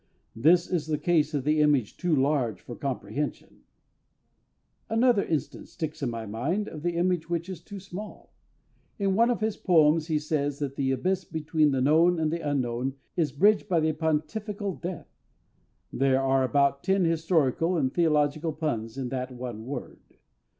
This is the case of the image too large for comprehension; another instance sticks in my mind of the image which is too small. In one of his poems he says that the abyss between the known and the unknown is bridged by "Pontifical death." There are about ten historical and theological puns in that one word.